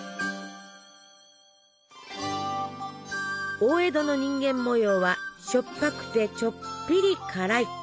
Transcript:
大江戸の人間模様はしょっぱくてちょっぴり辛い。